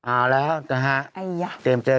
อ้าแล้วฮะเจย์เจอกันที๓